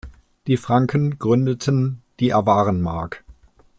Die Franken gründeten die Awarenmark.